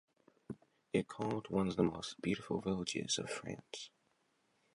It called one of the "most beautiful villages of France".